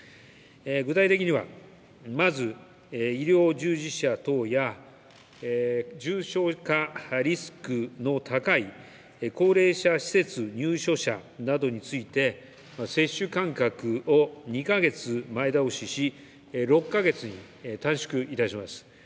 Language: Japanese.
具体的には、まず医療従事者等や、重症化リスクの高い高齢者施設入所者などについて、接種間隔を２か月前倒しし、６か月に短縮いたします。